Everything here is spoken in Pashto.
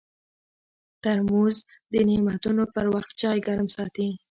ترموز د نعتونو پر وخت چای ګرم ساتي.